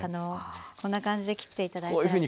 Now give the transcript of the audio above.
こんな感じで切って頂いたら。